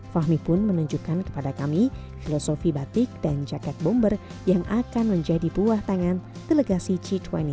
fahmi pun menunjukkan kepada kami filosofi batik dan jaket bomber yang akan menjadi buah tangan delegasi g dua puluh